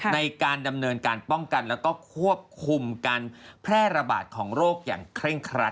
ในการดำเนินการป้องกันแล้วก็ควบคุมการแพร่ระบาดของโรคอย่างเคร่งครัด